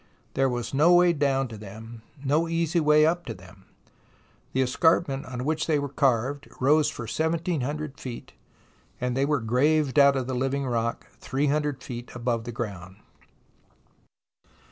There was no way down to them, no easy way up to them. The escarpment on which they were carved rose for 1700 feet, and they were graved out of the living rock 300 feet above the ground.